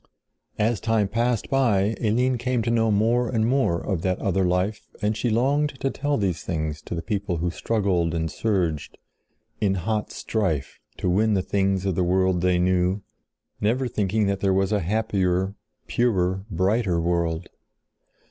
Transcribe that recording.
As time passed by Eline came to know more and more of that other life and she longed to tell these things to the people who struggled and surged in hot strife to win the things of the world they knew, never thinking that there was a happier, purer, brighter world.